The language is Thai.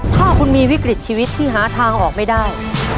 ถ้าคุณมีวิกฤตชีวิตที่หาทางออกไม่ได้